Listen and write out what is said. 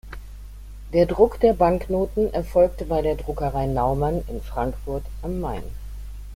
Der Druck der Banknoten erfolgte bei der Druckerei Naumann in Frankfurt am Main.